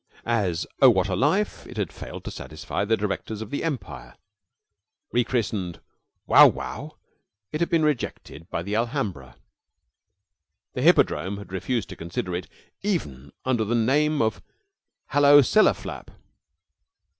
As "Oh! What a Life!" it had failed to satisfy the directors of the Empire. Re christened "Wow Wow!" it had been rejected by the Alhambra. The Hippodrome had refused to consider it, even under the name of "Hullo, Cellar Flap!"